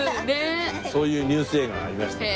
そういうニュース映画がありましたね。